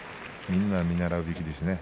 みんな、見習うべきですね